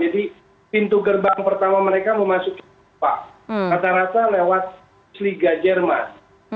jadi pintu gerbang pertama mereka memasuki jepang kata kata lewat bundesliga jerman